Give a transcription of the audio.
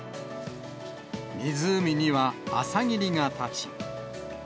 湖には朝霧が立ち。